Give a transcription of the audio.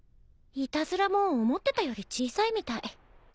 いたずらも思ってたより小さいみたい。